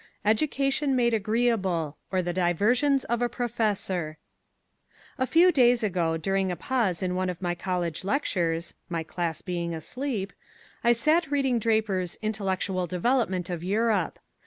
Education Made Agreeable or the Diversions of a Professor A few days ago during a pause in one of my college lectures (my class being asleep) I sat reading Draper's "Intellectual Development of Europe".